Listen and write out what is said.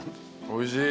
おいしい？